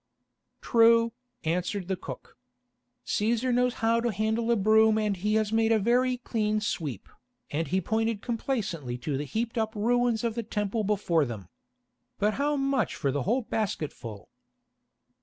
"True," answered the cook. "Cæsar knows how to handle a broom and he has made a very clean sweep," and he pointed complacently to the heaped up ruins of the Temple before them. "But how much for the whole basket full?"